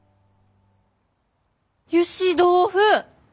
ゆし豆腐！